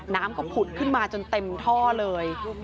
น้ำก็ผุดขึ้นมาจนเต็มท่อเลย